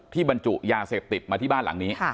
บรรจุยาเสพติดมาที่บ้านหลังนี้